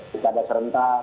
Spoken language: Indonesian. kita ada serentak